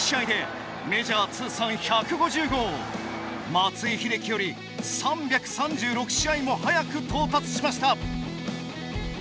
松井秀喜より３３６試合も早く到達しました。